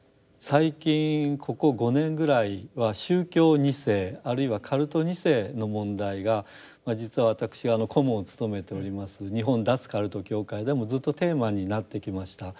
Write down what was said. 最近ここ５年ぐらいは宗教２世あるいはカルト２世の問題が実は私顧問を務めております日本脱カルト協会でもずっとテーマになってきました。